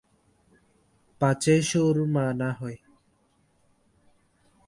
পাছে সুরমা না হয়।